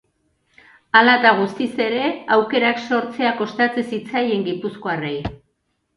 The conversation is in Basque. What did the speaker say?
Hala eta guztiz ere, aukerak sortzea kostatzen zitzaien gipuzkoarrei.